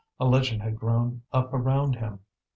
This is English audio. A legend had grown up around him.